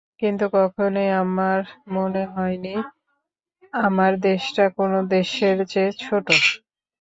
কিন্তু কখনোই আমার মনে হয়নি, আমার দেশটা কোনো দেশের চেয়ে ছোট।